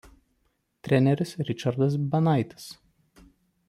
Treneris Richardas Banaitis.